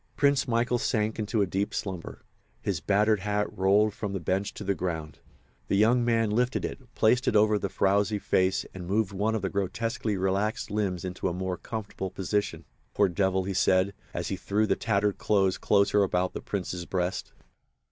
Prince Michael sank into deep slumber. His battered hat rolled from the bench to the ground. The young man lifted it, placed it over the frowsy face and moved one of the grotesquely relaxed limbs into a more comfortable position. "Poor devil!" he said, as he drew the tattered clothes closer about the Prince's breast.